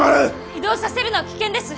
移動させるのは危険です！